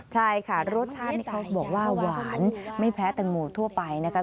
ใช่ค่ะรสชาตินี่เขาบอกว่าหวานไม่แพ้แตงโมทั่วไปนะคะ